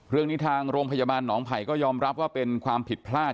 เรื่องนี้ทางโรงพยาบาลหนองไผ่ก็ยอมรับว่าเป็นความผิดพลาด